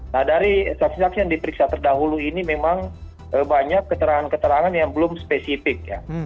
nah dari saksi saksi yang diperiksa terdahulu ini memang banyak keterangan keterangan yang belum spesifik ya